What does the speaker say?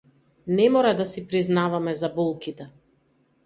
Не мора да си признаваме за болките.